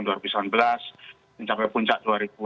mencapai puncak dua ribu dua puluh